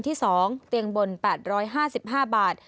เตียงบน๘๕๕บาท